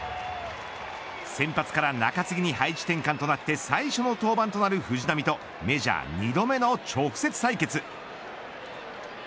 先発から中継ぎに配置転換となって最初の登板となる藤浪とメジャー２度目の直接対決。